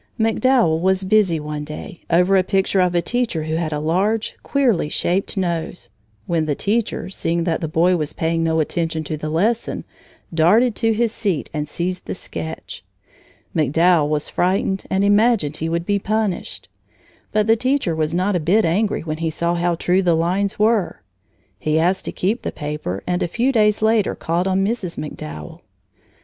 MacDowell was busy one day, over a picture of a teacher who had a large, queerly shaped nose, when the teacher, seeing that the boy was paying no attention to the lesson, darted to his seat and seized the sketch. MacDowell was frightened and imagined he would be punished. But the teacher was not a bit angry when he saw how true the lines were. He asked to keep the paper and a few days later called on Mrs. MacDowell.